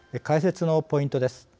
解説のポイントです。